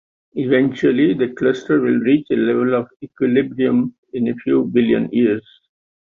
Eventually, the cluster will reach a level of equilibrium in a few billion years.